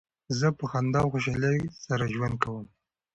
زه په خندا او خوشحالۍ سره ژوند کوم.